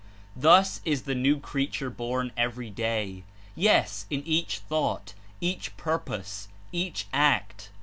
Thus is the "New Creature" born every day; yes, in each thought, each purpose, each act.